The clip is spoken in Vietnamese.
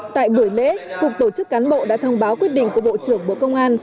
tại buổi lễ cục tổ chức cán bộ đã thông báo quyết định của bộ trưởng bộ công an